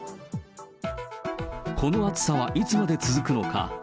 この暑さはいつまで続くのか。